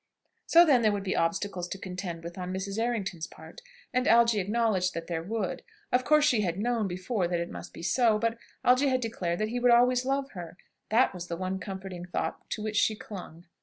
So then there would be obstacles to contend with on Mrs. Errington's part, and Algy acknowledged that there would. Of course she had known before that it must be so. But Algy had declared that he would always love her; that was the one comforting thought to which she clung.